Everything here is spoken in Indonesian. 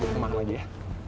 teman gue aja ya